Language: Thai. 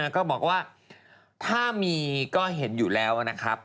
ก็บอกว่าถ้ามีก็เห็นอยู่แล้วนะครับ